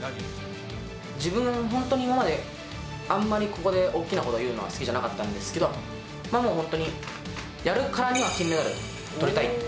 自分、本当に今まであんまりここで大きなことを言うのは好きじゃなかったんですけど、本当にやるからには金メダルをとりたい。